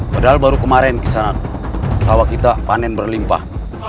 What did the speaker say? padahal baru kemarin kesana sawah kita panen berlimpah